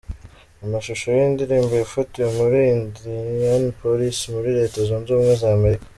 Amashusho y'iyi ndirimbo yafatiwe muri Indianapolis muri Leta Zunze Ubumwe za Amerika.